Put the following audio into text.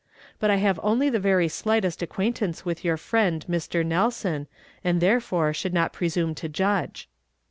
But I have only the very slightest ac{juaintance with your friend Mr. Nel son, and therefore should not presume to judge."